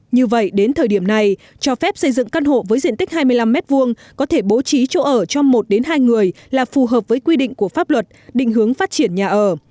như vậy đến thời điểm này cho phép xây dựng căn hộ với diện tích hai mươi năm m hai có thể bố trí chỗ ở cho một hai người là phù hợp với quy định của pháp luật định hướng phát triển nhà ở